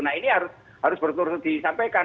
nah ini harus berturut disampaikan